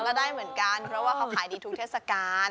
ก็ได้เหมือนกันเพราะว่าเขาขายดีทุกเทศกาล